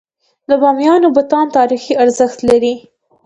د بامیانو بتان تاریخي ارزښت لري.